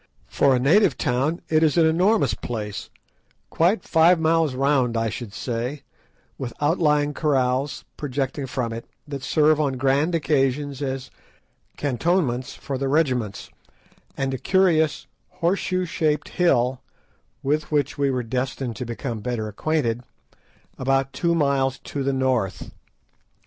For a native town it is an enormous place, quite five miles round, I should say, with outlying kraals projecting from it, that serve on grand occasions as cantonments for the regiments, and a curious horseshoe shaped hill, with which we were destined to become better acquainted, about two miles to the north.